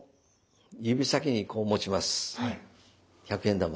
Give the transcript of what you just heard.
１００円玉。